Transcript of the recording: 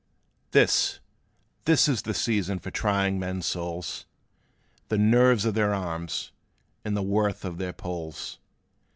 "This, this is the season for trying men's souls, The nerves of their arms, and the worth of their polls!